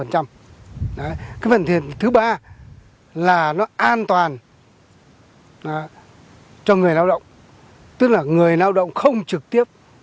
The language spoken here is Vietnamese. cái phần thiệt thứ ba là nó an toàn cho người lao động tức là người lao động không trực tiếp